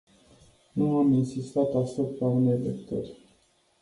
Nu am insistat asupra unei lecturi.